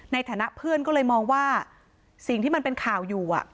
ในฐานะเพื่อนก็เลยมองว่าสิ่งที่มันเป็นข่าวอยู่